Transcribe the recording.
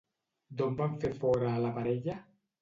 D'on van fer fora a la parella?